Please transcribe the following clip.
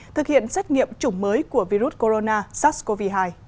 thực hiện xét nghiệm chủng mới của virus corona sars cov hai